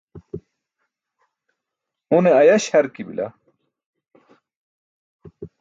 Une ayaś harki bila.